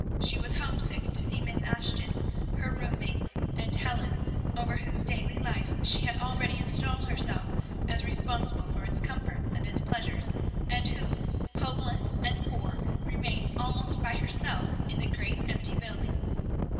She was homesick to see Miss Ashton, her room mates, and Helen, over whose daily life she had already installed herself as responsible for its comforts and its pleasures, and who, homeless and poor, remained almost by herself in the great empty building.